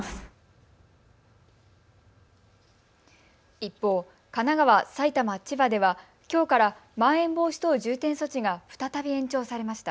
一方、神奈川、埼玉、千葉ではきょうから、まん延防止等重点措置が再び延長されました。